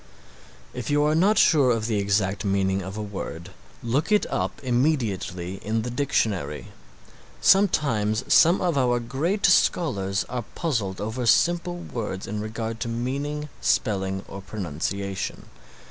If you are not sure of the exact meaning of a word look it up immediately in the dictionary. Sometimes some of our great scholars are puzzled over simple words in regard to meaning, spelling or pronunciation.